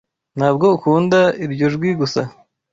Ntabwo ukunda iryo jwi gusa?